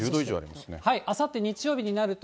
あさって日曜日になると。